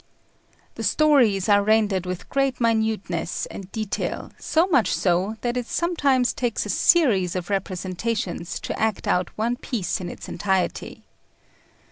The stories are rendered with great minuteness and detail, so much so, that it sometimes takes a series of representations to act out one piece in its entirety.